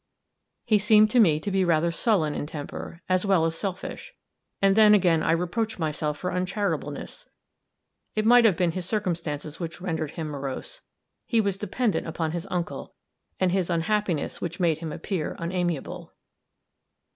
He seemed to me to be rather sullen in temper, as well as selfish; and then again I reproached myself for uncharitableness; it might have been his circumstances which rendered him morose he was dependent upon his uncle and his unhappiness which made him appear unamiable.